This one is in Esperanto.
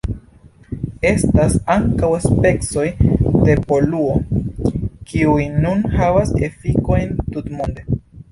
Estas ankaŭ specoj de poluo, kiuj nun havas efikojn tutmonde.